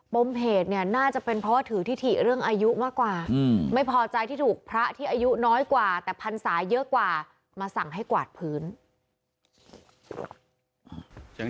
มเหตุเนี่ยน่าจะเป็นเพราะว่าถือทิถิเรื่องอายุมากกว่าไม่พอใจที่ถูกพระที่อายุน้อยกว่าแต่พันศาเยอะกว่ามาสั่งให้กวาดพื้น